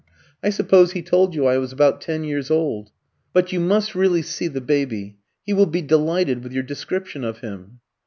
I suppose he told you I was about ten years old. But you must really see the baby; he will be delighted with your description of him."